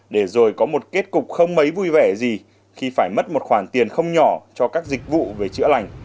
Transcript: để rồi có một kết cục không mấy vui vẻ gì khi phải mất một khoản tiền không nhỏ cho các dịch vụ về chữa lành